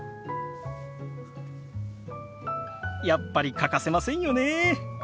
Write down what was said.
やっぱり欠かせませんよねえ。